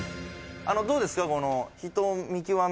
どうですか？